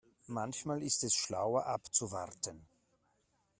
Manchmal ist es schlauer abzuwarten.